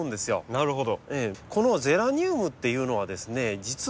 なるほど。